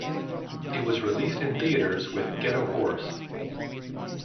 It was released in theaters with Get a Horse!